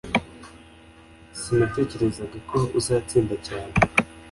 Sinatekerezaga ko uzatinda cyane